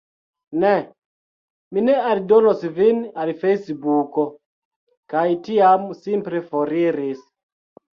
"Ne. Mi ne aldonos vin al Fejsbuko." kaj tiam simple foriris.